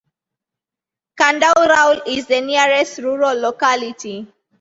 Kandauraul is the nearest rural locality.